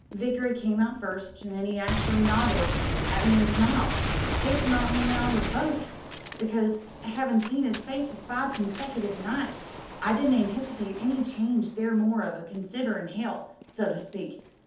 Vickery came out first, an' 'e actually nodded at me an' smiled. This knocked me out o' the boat, because, havin' seen 'is face for five consecutive nights, I didn't anticipate any change there more than a condenser in hoL> so to speak.